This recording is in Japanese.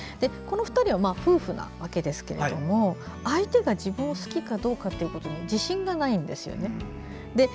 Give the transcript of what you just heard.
この２人は夫婦なわけですけど相手が自分を好きかどうかにも自信がないんですよね。